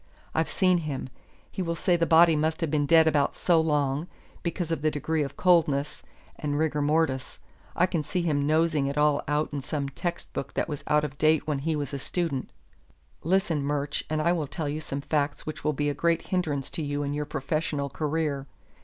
I've seen him. He will say the body must have been dead about so long, because of the degree of coldness and rigor mortis. I can see him nosing it all out in some text book that was out of date when he was a student. Listen, Murch, and I will tell you some facts which will be a great hindrance to you in your professional career.